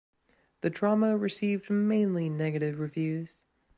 The drama received mainly negative reviews.